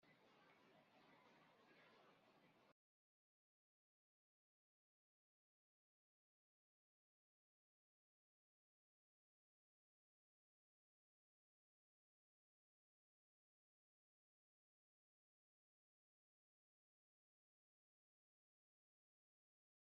Abennay yella diɣ dinna.